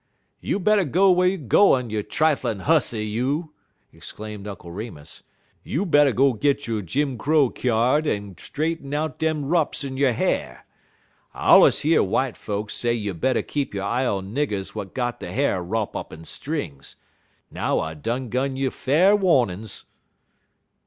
"You better go whar you gwine, you triflin' huzzy, you!" exclaimed Uncle Remus. "You better go git yo' Jim Crow kyard en straighten out dem wrops in yo' ha'r. I allers year w'ite folks say you better keep yo' eye on niggers w'at got der ha'r wrop up in strings. Now I done gun you fa'r warnin's."